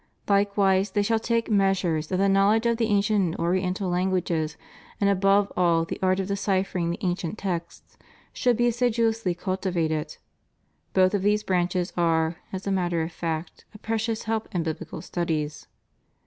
Like wise they shall take measures that the knowledge of the ancient and oriental languages, and above all the art of deciphering the ancient texts, should be assiduously culti vated. Both of these branches are, as a matter of fact, a precious help in biblical studies.